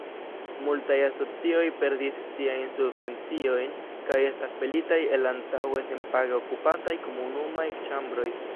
Multaj asocioj perdis siajn subvenciojn kaj estas pelitaj el antaŭe senpage okupataj komunumaj ĉambroj.